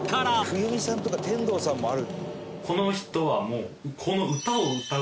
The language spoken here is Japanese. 「冬美さんとか天童さんもある」